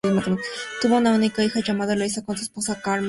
Tuvo una única hija, llamada Eloísa, con su esposa Carmen Izaguirre.